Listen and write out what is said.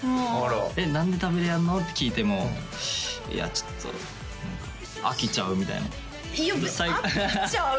「えっ何で食べれやんの？」って聞いても「いやちょっと飽きちゃう」みたいな「飽きちゃう」？